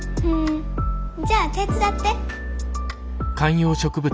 じゃ手伝って。